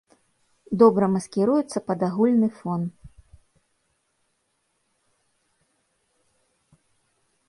Добра маскіруюцца пад агульны фон.